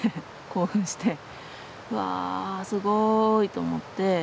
興奮して。わすごいと思って。